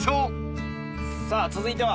さあ続いては？